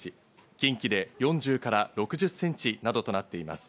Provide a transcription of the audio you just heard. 近畿で４０から６０ｃｍなどとなっています。